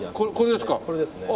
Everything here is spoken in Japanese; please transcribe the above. これですか？